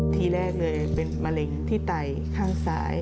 ทีแรกเลยเป็นมะเร็งที่ไตข้างซ้าย